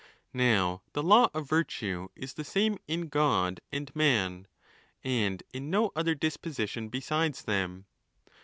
Now, the law of virtue is the same in God and man, and in no other disposition besides them.